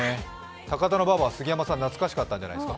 高田馬場は杉山さん、懐かしかったんじゃないですか。